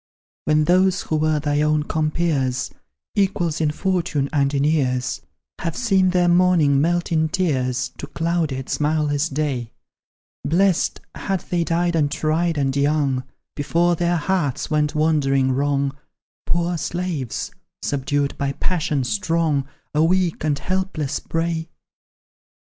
When those who were thy own compeers, Equals in fortune and in years, Have seen their morning melt in tears, To clouded, smileless day; Blest, had they died untried and young, Before their hearts went wandering wrong, Poor slaves, subdued by passions strong, A weak and helpless prey!